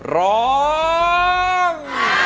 ร้อง